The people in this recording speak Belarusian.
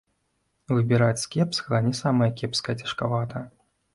Выбіраць з кепскага не самае кепскае цяжкавата.